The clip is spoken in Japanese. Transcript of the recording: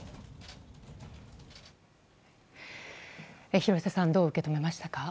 廣瀬さんどう受け止めましたか？